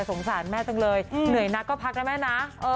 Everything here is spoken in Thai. สงสารแม่จังเลยเหนื่อยนักก็พักนะแม่นะ